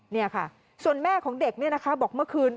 นี่ค่ะส่วนแม่ของเด็กเนี่ยนะคะบอกเมื่อคืน